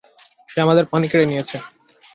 সে আমাদের পানি কেড়ে নিয়েছে।